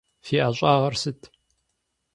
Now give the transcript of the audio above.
Фи ӏэщӏагъэр сыт?